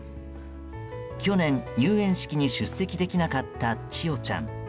去年、入園式に出席できなかった千与ちゃん。